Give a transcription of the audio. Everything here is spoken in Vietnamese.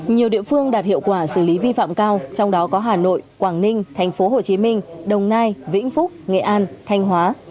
nhiều địa phương đạt hiệu quả xử lý vi phạm cao trong đó có hà nội quảng ninh thành phố hồ chí minh đồng nai vĩnh phúc nghệ an thanh hóa